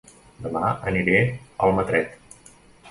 Dema aniré a Almatret